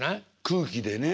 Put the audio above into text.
空気でね。